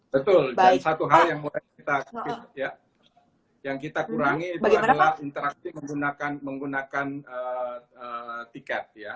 betul dan satu hal yang kita kurangi itu adalah interaksi menggunakan tiket ya